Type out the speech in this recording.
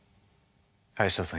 林田さん